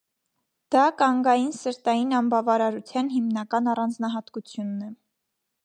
Դա կանգային սրտային անբավարարության հիմնական առանձնահատկությունն է։